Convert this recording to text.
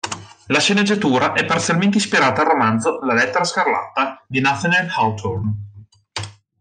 La sceneggiatura è parzialmente ispirata al romanzo "La lettera scarlatta" di Nathaniel Hawthorne.